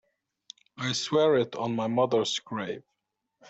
I swear it on my mother's grave.